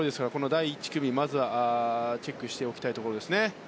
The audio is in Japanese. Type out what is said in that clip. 第１組、まずはチェックしておきたいところです。